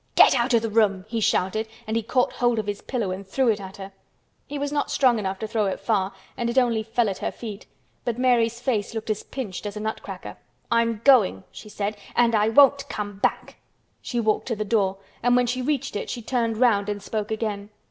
"Get out of the room!" he shouted and he caught hold of his pillow and threw it at her. He was not strong enough to throw it far and it only fell at her feet, but Mary's face looked as pinched as a nutcracker. "I'm going," she said. "And I won't come back!" She walked to the door and when she reached it she turned round and spoke again.